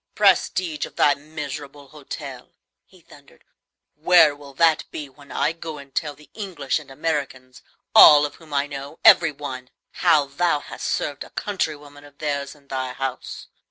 "Prestige of thy miserable hotel!" he thundered; "where will that be when I go and tell the English and Americans all of whom I know, every one! how thou hast served a countrywoman of theirs in thy house?